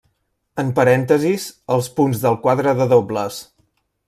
En parèntesis els punts del quadre de dobles.